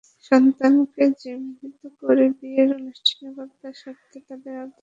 সন্তানকে জিমিঞ্চ করে বিয়ের আনুষ্ঠানিকতা সারতে তারা আদালত পর্যন্ত আসতে বাধ্য করেছে।